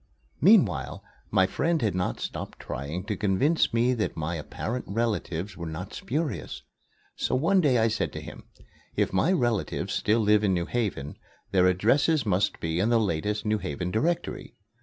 Meanwhile, my friend had not stopped trying to convince me that my apparent relatives were not spurious; so one day I said to him: "If my relatives still live in New Haven, their addresses must be in the latest New Haven Directory.